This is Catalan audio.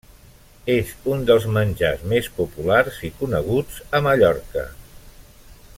És un dels menjars més populars i coneguts a Mallorca.